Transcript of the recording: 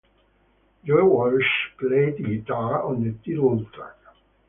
Joe Walsh played guitar on the title track.